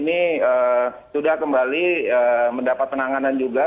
dan mereka sudah kembali mendapat penanganan juga